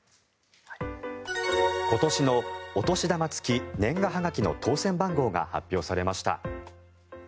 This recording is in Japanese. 今年のお年玉付き年賀はがきの当選番号が発表されました。